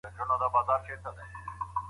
ولي د معلولینو حقونو ته پاملرنه نه کیږي؟